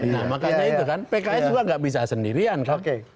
nah makanya itu kan pks juga nggak bisa sendirian kok